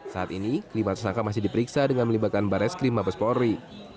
saat ini kelima tersangka masih diperiksa dengan melibatkan bares krim mabespori